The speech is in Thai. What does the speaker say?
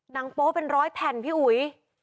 นางโปเป็นร้อยแผ่นพี่อุ๋ย